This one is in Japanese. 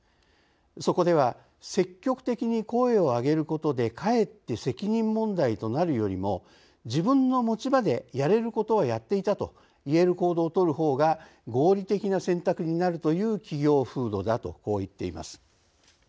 そこでは積極的に声を上げることでかえって責任問題となるよりも自分の持ち場でやれることはやっていたと言える行動をとるほうが合理的な選択になるという企業風土だとこう言っています。